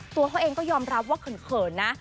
ตัวเขาเองก็ยอมรับว่าเขินนะ